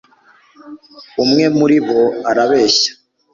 umwe muri bo arabeshya